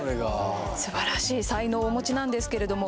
すばらしい才能をお持ちなんですけれども